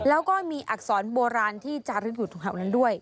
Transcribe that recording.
แล้วก็มีอักษรโบราณที่จารึกอยู่ตรงแถวนั้นด้วย